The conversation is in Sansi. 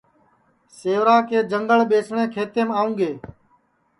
سیوراکے جنگݪ ٻیسٹؔیں کھیتینٚم آؤں گے